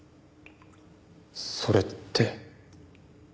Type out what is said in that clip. それって。